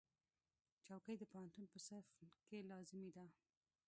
چوکۍ د پوهنتون په صنف کې لازمي ده.